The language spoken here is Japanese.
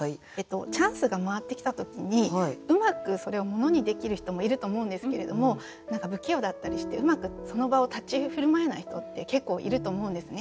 チャンスが回ってきた時にうまくそれを物にできる人もいると思うんですけれども何か不器用だったりしてうまくその場を立ち居振る舞えない人って結構いると思うんですね。